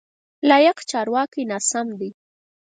لایق: چارواکی ناسم دی.